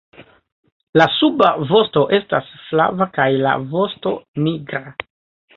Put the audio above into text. La suba vosto estas flava kaj la vosto nigra.